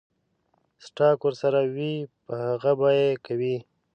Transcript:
سټاک ورسره وي پۀ هغې به يې کوي ـ